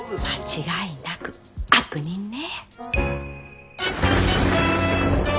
間違いなく悪人ね。